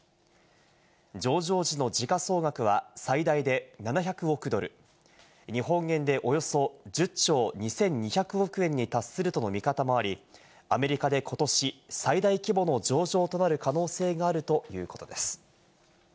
上場時の時価総額は最大で７００億ドル、日本円でおよそ１０兆２２００億円に達するとの見方もあり、アメリカでことし最大規模の上場となる可能性があるということです。